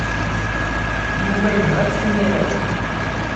Yuba yebɣa-tt imir-a.